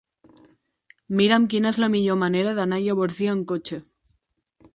Mira'm quina és la millor manera d'anar a Llavorsí amb cotxe.